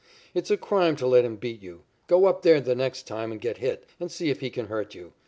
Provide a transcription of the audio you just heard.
It's a crime to let him beat you. Go up there the next time and get hit, and see if he can hurt you.